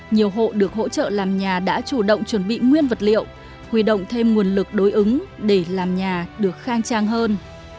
nhiều hộ được hỗ trợ làm nhà đã chủ động chuẩn bị nguyên vật liệu huy động thêm nguồn lực đối ứng để làm nhà được khang trang hơn